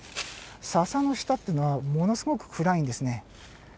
ササの下っていうのはものすごく暗いんですね。